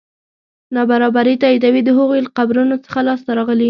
نابرابري تاییدوي د هغوی له قبرونو څخه لاسته راغلي.